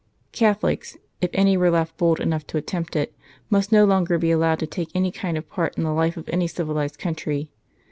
Catholics (if any were left bold enough to attempt it) must no longer be allowed to take any kind of part in the life of any civilised country.